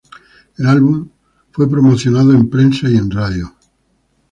El álbum fue promocionado en prensa y en radio.